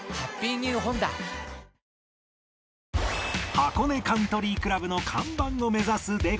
箱根カントリー倶楽部の看板を目指す出川